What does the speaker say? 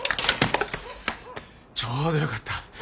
ちょうどよかった。